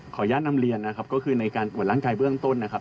อนุญาตนำเรียนนะครับก็คือในการตรวจร่างกายเบื้องต้นนะครับ